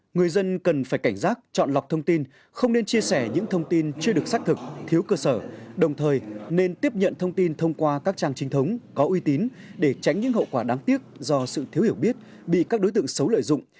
người dân cần phải cảnh giác chọn lọc thông tin không nên chia sẻ những thông tin chưa được xác thực thiếu cơ sở đồng thời nên tiếp nhận thông tin thông qua các trang trinh thống có uy tín để tránh những hậu quả đáng tiếc do sự thiếu hiểu biết bị các đối tượng xấu lợi dụng